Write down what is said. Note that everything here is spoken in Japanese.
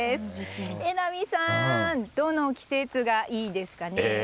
榎並さん、どの季節がいいですか。